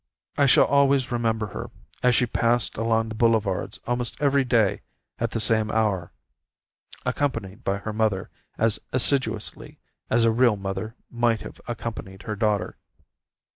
I shall always remember her, as she passed along the boulevards almost every day at the same hour, accompanied by her mother as assiduously as a real mother might have accompanied her daughter.